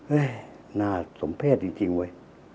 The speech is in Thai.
หึหน้าทมเพศจริงจริงเว้ย